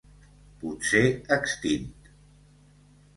Potser extint.